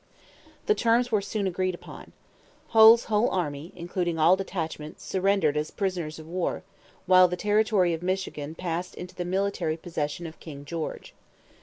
The terms were soon agreed upon. Hull's whole army, including all detachments, surrendered as prisoners of war, while the territory of Michigan passed into the military possession of King George.